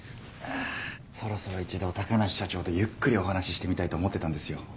そろそろ一度高梨社長とゆっくりお話ししてみたいと思ってたんですよ